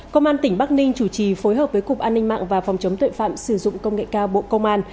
công an tỉnh bắc ninh chủ trì phối hợp với cục an ninh mạng và phòng chống tội phạm sử dụng công nghệ cao bộ công an